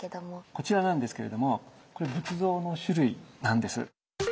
こちらなんですけれどもこれ仏像の種類なんです。